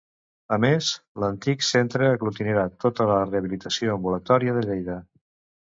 A més, l'antic centre aglutinarà tota la rehabilitació ambulatòria de Lleida.